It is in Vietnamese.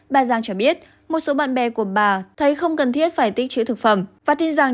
bà giang cho biết một số bạn bè của bà thấy không cần thiết phải tích chữ thực phẩm và tin rằng